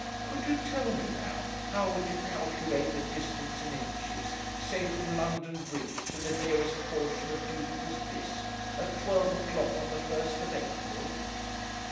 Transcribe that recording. Could you tell me now, how would you calculate the distance in inches, say from London Bridge to the nearest portion of Jupiter's disc, at twelve o'clock on the first of April?'